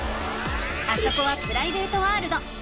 あそこはプライベートワールド。